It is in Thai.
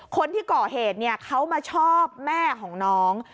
คนที่ก่อเหตุเขามาชอบแม่ของน้อง